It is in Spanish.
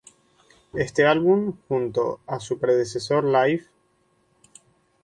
Este álbum, junto a su predecesor "Life.